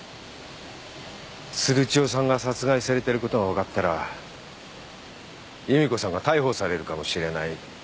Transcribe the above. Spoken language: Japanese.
鶴千代さんが殺害されてることが分かったら夕美子さんが逮捕されるかもしれない。